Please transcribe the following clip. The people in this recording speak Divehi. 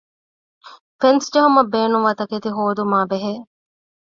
ފެންސް ޖެހުމަށް ބޭނުންވާ ތަކެތި ހޯދުމާބެހޭ